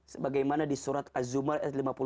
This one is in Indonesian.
sebagaimana disurat az zumar lima puluh tiga